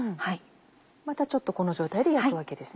またちょっとこの状態で焼くわけですね。